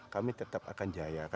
kami tetap akan jaya